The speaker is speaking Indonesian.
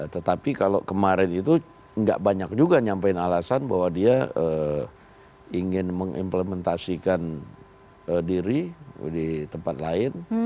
tetapi kalau kemarin itu nggak banyak juga nyampein alasan bahwa dia ingin mengimplementasikan diri di tempat lain